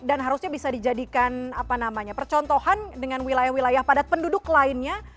dan harusnya bisa dijadikan apa namanya percontohan dengan wilayah wilayah padat penduduk lainnya